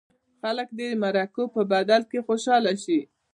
خلک دې د مرکو په بدل کې خوشاله شي.